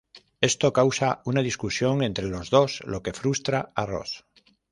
Esto causa una discusión entre los dos lo que frustra a Ross.